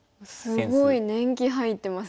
すごい年季入ってますね。